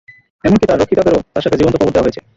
এমনকি তার রক্ষিতাদেরও তার সাথে জীবন্ত কবর দেওয়া হয়েছে!